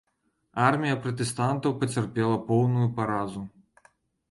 Армія пратэстантаў пацярпела поўную паразу.